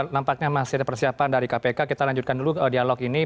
nampaknya masih ada persiapan dari kpk kita lanjutkan dulu dialog ini